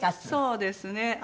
そうですね。